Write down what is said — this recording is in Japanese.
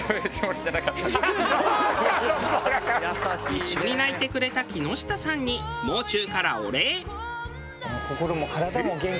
一緒に泣いてくれた木下さんにもう中からお礼。